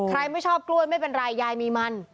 ไม่ชอบกล้วยไม่เป็นไรยายมีมัน